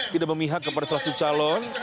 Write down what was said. tidak memihak kepada salah satu calon